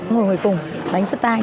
ngồi ngồi cùng đánh sứt tay